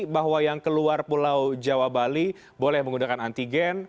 bahwa yang keluar pulau jawa bali boleh menggunakan antigen